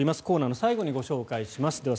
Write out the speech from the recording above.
コーナーの最後にご紹介します。